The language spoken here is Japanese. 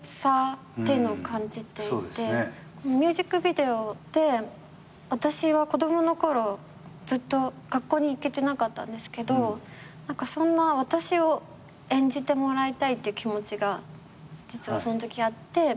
ミュージックビデオで私は子供のころずっと学校に行けてなかったんですけどそんな私を演じてもらいたいって気持ちが実はそのときあって。